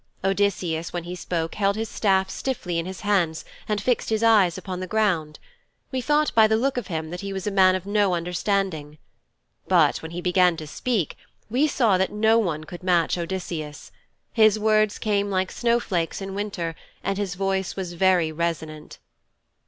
Odysseus when he spoke held his staff stiffly in his hands and fixed his eyes on the ground. We thought by the look of him then that he was a man of no understanding. But when he began to speak we saw that no one could match Odysseus his words came like snow flakes in winter and his voice was very resonant."'